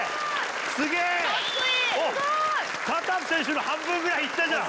タタフ選手の半分ぐらいいったじゃん！